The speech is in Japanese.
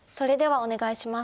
お願いします。